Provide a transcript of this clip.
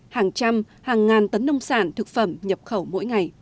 hàng trăm hàng ngàn tấn nông sản thực phẩm nhập khẩu mỗi ngày